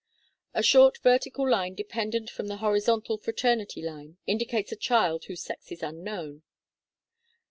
A short vertical line dependent from the horizontal fraternity line indicates a child whose sex is unknown.